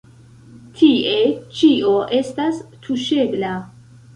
Tie ĉio estas tuŝebla.